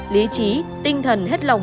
lý trí tinh thần hết lòng